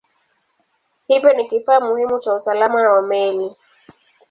Hivyo ni kifaa muhimu cha usalama wa meli.